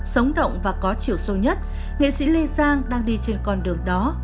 sống động và có chiều sâu nhất nghệ sĩ lê giang đang đi trên con đường đó